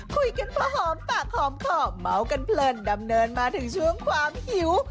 คุยกันพอหอมปากหอมคอเมาส์กันเพลินดำเนินมาถึงช่วงความหิว